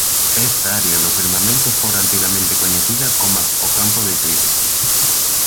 Esta área do firmamento fóra antigamente coñecida coma "O Campo de Trigo".